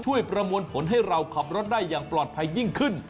ประมวลผลให้เราขับรถได้อย่างปลอดภัยยิ่งขึ้น